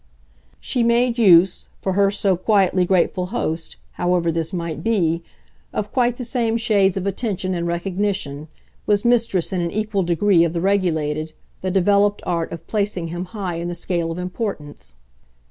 She made use, for her so quietly grateful host, however this might be, of quite the same shades of attention and recognition, was mistress in an equal degree of the regulated, the developed art of placing him high in the scale of importance.